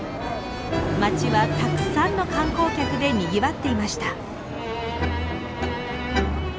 街はたくさんの観光客でにぎわっていました。